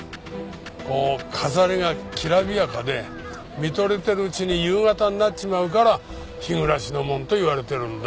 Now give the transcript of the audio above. こう飾りがきらびやかで見とれてるうちに夕方になっちまうから日暮の門と言われてるんだ。